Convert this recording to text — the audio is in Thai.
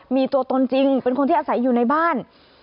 มีตัวตนจริงเป็นคนที่อาศัยอยู่ในบ้าน